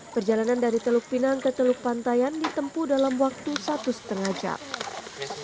perjalanan dari teluk pinang ke teluk pantaian ditempuh dalam waktu satu lima jam